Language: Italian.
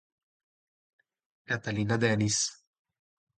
Catalina Denis